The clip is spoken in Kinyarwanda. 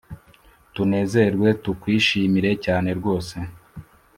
Tunezerwe tukwishimire cyane rwose